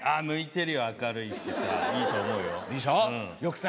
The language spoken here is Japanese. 向いてるよ明るいしさいいと思うよ。